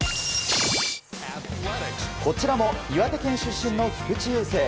こちらも岩手県出身の菊池雄星。